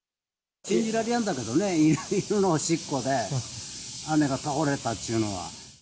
信じられないけどね、犬のおしっこで、あれが倒れたというのは。